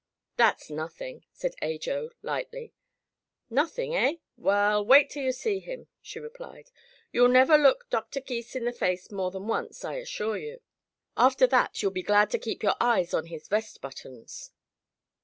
"That's nothing," said Ajo lightly. "Nothing, eh? Well, wait till you see him," she replied. "You'll never look Doctor Gys in the face more than once, I assure you. After that, you'll be glad to keep your eyes on his vest buttons."